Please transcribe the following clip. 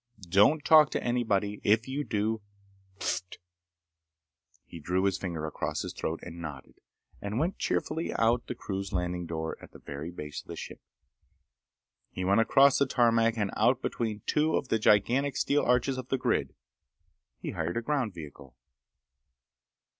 Don't talk to anybody. If you do—pfft!" He drew his finger across his throat, and nodded, and went cheerfully out the crew's landing door in the very base of the ship. He went across the tarmac and out between two of the gigantic steel arches of the grid. He hired a ground vehicle.